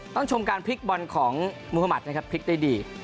ชมการพลิกบอลของมุธมัตินะครับพลิกได้ดี